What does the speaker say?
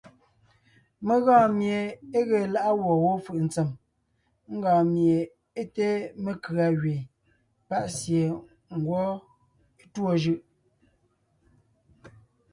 Mé gɔɔn mie é ge lá’a gwɔ̂ wó fʉʼ ntsèm, ńgɔɔn mie é te mekʉ̀a gẅeen, pa’ sie ngwɔ́ é tûɔ jʉ’.